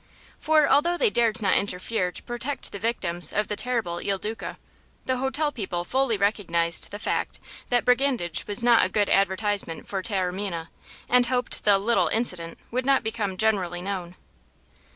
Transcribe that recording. For, although they dared not interfere to protect the victims of the terrible Il Duca, the hotel people fully recognized the fact that brigandage was not a good advertisement for Taormina, and hoped the "little incident" would not become generally known.